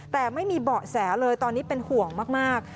แต่ไม่มีเบาะแสเลยตอนนี้เป็นห่วงมาก